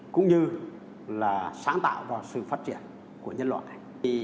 cũng như là sáng tạo vào sự phát triển của nhân loại